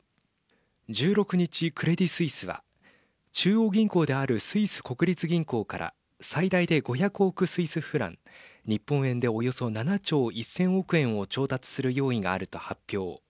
１６日クレディ・スイスは中央銀行であるスイス国立銀行から最大で５００億スイスフラン日本円でおよそ７兆１０００億円を調達する用意があると発表。